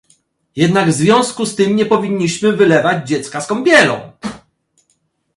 Jednak w związku z tym nie powinniśmy wylewać dziecka z kąpielą